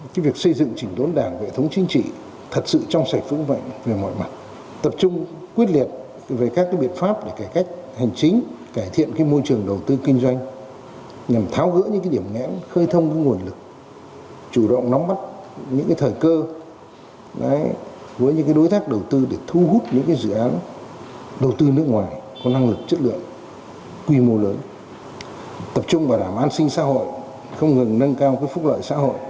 quy mô lớn tập trung vào đảm an sinh xã hội không ngừng nâng cao phức lợi xã hội